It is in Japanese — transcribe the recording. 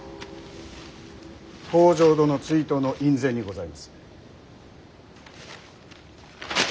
北条殿追討の院宣にございます。